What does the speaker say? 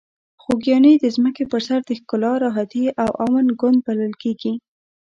خوږیاڼي د ځمکې په سر د ښکلا، راحتي او امن ګوند بلل کیږي.